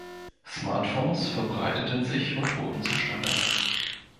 Smartphones verbreiteten sich und wurden zum Standard.